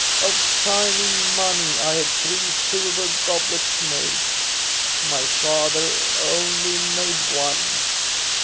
Of shining money I had three silver goblets made ; my father only made one.